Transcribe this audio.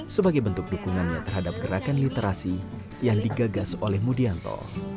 sebagai bentuk dukungannya terhadap gerakan literasi yang digagas oleh mudianto